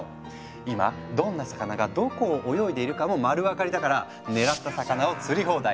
今どんな魚がどこを泳いでいるかも丸分かりだから狙った魚を釣り放題！